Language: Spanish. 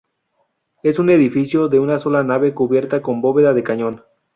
Es un edificio de una sola nave cubierta con bóveda de cañón.